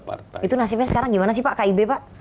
itu nasibnya sekarang gimana sih pak kib pak